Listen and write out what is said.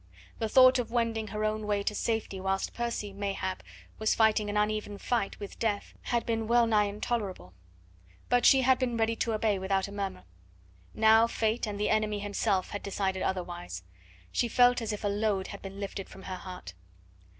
The thought of wending her own way to safety whilst Percy, mayhap, was fighting an uneven fight with death had been well nigh intolerable; but she had been ready to obey without a murmur. Now Fate and the enemy himself had decided otherwise. She felt as if a load had been lifted from her heart.